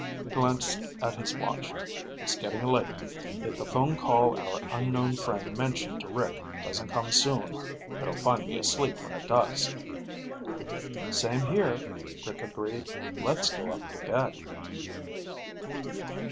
He glanced at his watch. "It's getting late. If the phone call our unknown friend mentioned to Rick doesn't come soon, it'll find me asleep when it does." "Same here," Rick agreed. "Let's go up to bed."